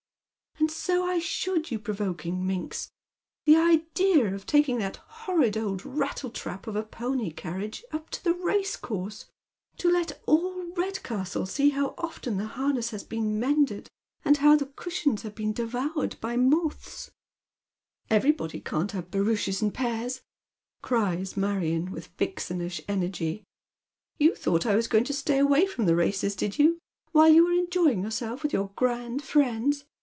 " And 80 I should, you provoking minx. The idea of taking that horrid old rattle trap of a pony carriage up to the racecourse, to let all Redcastle see how often the harness has been mended, and bow the cushions have been devoured by moths 1 " I 130 Head Men's Shoes. " Everybody can't have barouches and pairs," cries Marion, with vixenish energy. " You thouglit I was going to stay away fi om the races, did you ? while you were enjoying yourself with your grand fiiends.